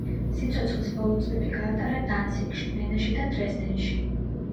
სიცოცხლის ბოლო წლები გაატარა დანციგში, ვენაში და დრეზდენში.